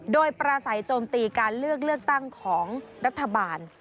โดยปราศัยโจมตีการเลือกเลือกตั้งของรัฐบาล